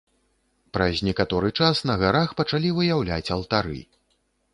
Праз некаторы час на гарах пачалі выяўляць алтары.